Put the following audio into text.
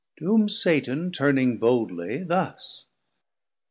T' whom Satan turning boldly, thus.